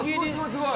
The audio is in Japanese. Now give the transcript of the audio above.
すごい！